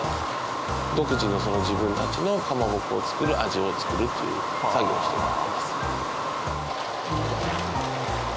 独自の自分たちのかまぼこを作る味を作るという作業をしてます。